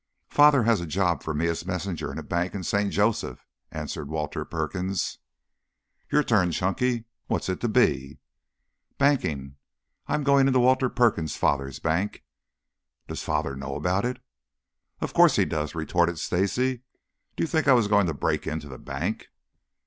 "Father has a job for me as messenger in a bank in St. Joseph," answered Walter Perkins. "Your turn, Chunky. What's it to be?" "Banking. I'm going into Walter Perkins' father's bank." "Does father know about it?" "Of course he does!" retorted Stacy. "Did you think I was going to break into the bank?"